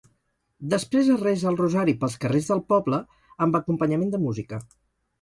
Després es resa el Rosari pels carrers del poble, amb acompanyament de música.